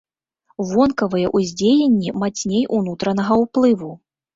Вонкавыя ўздзеянні мацней унутранага ўплыву.